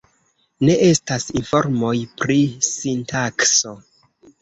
Ne estas informoj pri sintakso.